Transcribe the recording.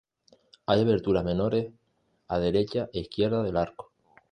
Hay aberturas menores a derecha e izquierda del arco.